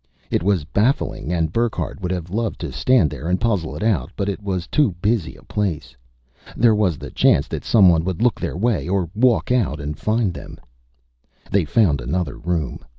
It was baffling and Burckhardt would have loved to stand there and puzzle it out, but it was too busy a place. There was the chance that someone would look their way or walk out and find them. They found another room.